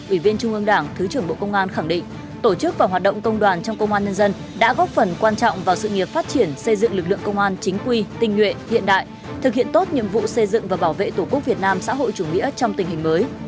ủy viên trung ương đảng thứ trưởng bộ công an khẳng định tổ chức và hoạt động công đoàn trong công an nhân dân đã góp phần quan trọng vào sự nghiệp phát triển xây dựng lực lượng công an chính quy tinh nguyện hiện đại thực hiện tốt nhiệm vụ xây dựng và bảo vệ tổ quốc việt nam xã hội chủ nghĩa trong tình hình mới